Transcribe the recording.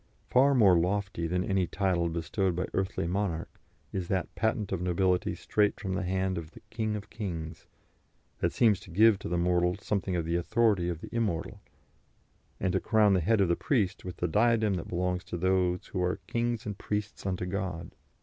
Far more lofty than any title bestowed by earthly monarch is that patent of nobility straight from the hand of the "King of kings," that seems to give to the mortal something of the authority of the immortal, and to crown the head of the priest with the diadem that belongs to those who are "kings and priests unto God."